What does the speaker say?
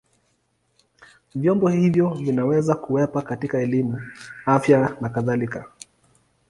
Vyombo hivyo vinaweza kuwepo katika elimu, afya na kadhalika.